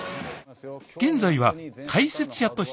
現在は解説者として活躍中。